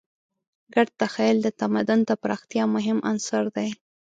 ګډ تخیل د تمدن د پراختیا مهم عنصر دی.